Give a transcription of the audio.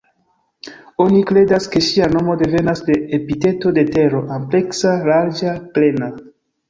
Oni kredas ke ŝia nomo devenas de epiteto de Tero: "ampleksa", "larĝa", "plena".